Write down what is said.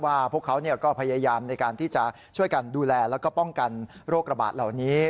พวกเขาก็พยายามในการที่จะช่วยกันดูแลแล้วก็ป้องกันโรคระบาดเหล่านี้